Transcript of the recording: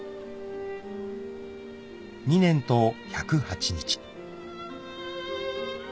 ［２年と１０８日］